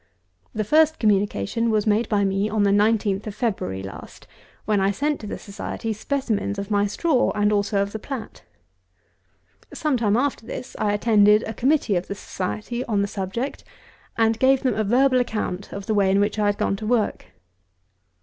The first communication was made by me on the 19th of February last, when I sent to the Society, specimens of my straw and also of the plat. Some time after this I attended a committee of the Society on the subject, and gave them a verbal account of the way in which I had gone to work.